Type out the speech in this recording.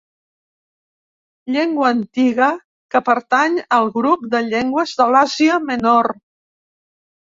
Llengua antiga que pertany al grup de llengües de l'Àsia Menor.